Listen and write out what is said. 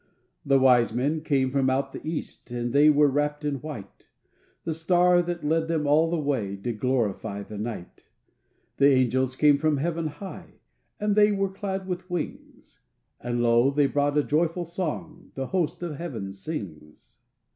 The wise men came from out the east, And they were wrapped in white; The star that led them all the way Did glorify the night. The angels came from heaven high, And they were clad with wings; And lo, they brought a joyful song The host of heaven sings.